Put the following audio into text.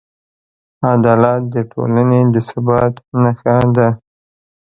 عدالت د ټولنې د ثبات نښه ده.